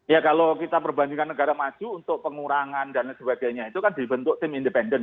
ya kalau kita perbandingkan negara maju untuk pengurangan dan sebagainya itu kan dibentuk tim independen